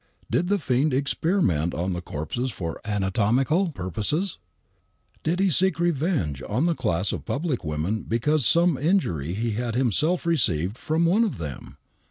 Did the fiend experiment on the corpses for anatomical purposes ? Did he seek revenge on the class of public women because of some injury he had himself received from one of them?